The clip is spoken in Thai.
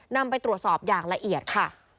นำไปตรวจสอบอย่างละเอียดค่ะ